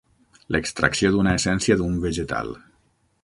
L'extracció d'una essència d'un vegetal.